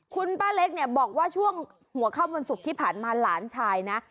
คุณป้าเล็กเนี่ยบอกช่วงหัวข้ามนสุขิทธิ์ผันมาหลานชายนะ